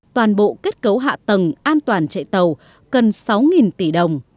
toàn bộ kết cấu hạ tầng an toàn chạy tàu cần sáu tỷ đồng